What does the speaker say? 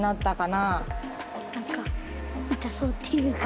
なんか痛そうっていうか。